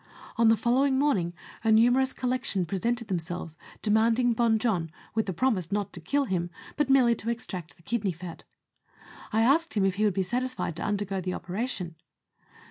On the following morning a numerous collection presented themselves, demanding Bon Jon, with a promise not to kill him, but merely to extract the kidney fat. I asked him if he would be satisfied to undergo the operation.